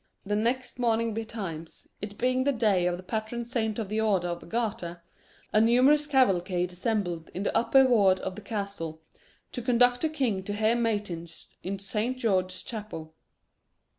The next morning betimes, it being the day of the Patron Saint of the Order of the Garter, a numerous cavalcade assembled in the upper ward of the castle, to conduct the king to hear matins in Saint George's Chapel.